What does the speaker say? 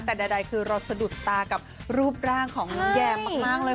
แต่ใดคือรสดุตากับรูปร่างของแยมมากเลย